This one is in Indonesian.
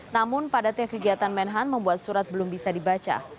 namun padatnya kegiatan menhan membuat surat belum bisa dibaca